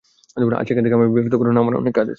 আচ্ছা, এখন আমাকে বিরক্ত করনা, আমার অনেক কাজ আছে।